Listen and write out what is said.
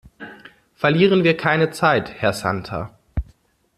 Verlieren wir keine Zeit, Herr Santer!